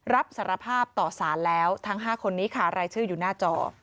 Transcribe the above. รับสารภาพต่อสารแล้วทั้ง๕คนนี้ค่ะรายชื่ออยู่หน้าจอ